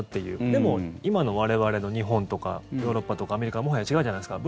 でも今の我々の日本とかヨーロッパとかアメリカはもはや違うじゃないですか。